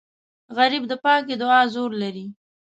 غریب د پاکې دعا زور لري